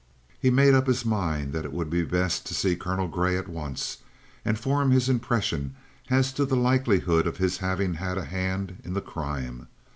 He made up his mind that it would be best to see Colonel Grey at once and form his impression as to the likelihood of his having had a hand in the crime.